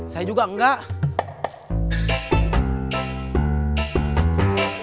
saya juga enggak